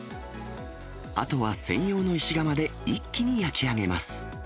あとは専用の石窯で一気に焼き上げます。